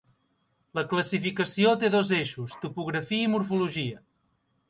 La classificació té dos eixos: topografia i morfologia.